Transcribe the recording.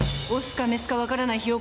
オスかメスか分からない